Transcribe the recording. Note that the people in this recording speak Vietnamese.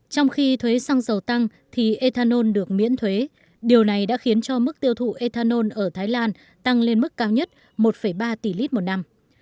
trong khi thuế xăng dầu tăng thì ethanol được miễn thuế điều này đã khiến cho mức tiêu thụ ethanol ở thái lan tăng lên mức cao nhất một ba tỷ lít một năm